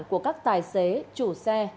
của các tài xế chủ xe